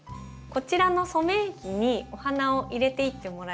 こちらの染め液にお花を入れていってもらいたいんですね。